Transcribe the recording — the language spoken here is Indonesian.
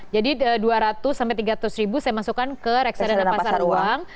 jadi dua ratus sampai tiga ratus ribu saya masukkan ke reksadana pasar uang